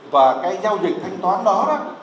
và cái giao dịch thanh toán đó